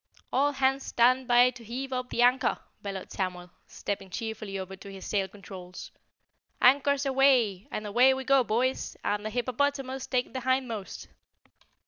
"All hands stand by to heave up the anchor," bellowed Samuel, stepping cheerfully over to his sail controls. "Anchors aweigh! and away we go, boys, and the hippopotamus take the hindmost!"